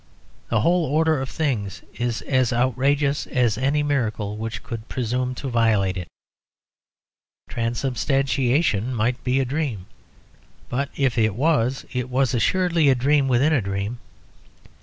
The whole order of things is as outrageous as any miracle which could presume to violate it. Transubstantiation might be a dream, but if it was, it was assuredly a dream within a dream.